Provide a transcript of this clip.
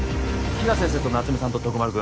比奈先生と夏梅さんと徳丸君